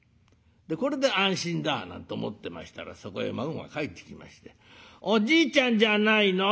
これで安心だなんて思ってましたらそこへ孫が帰ってきまして「おじいちゃんじゃないの？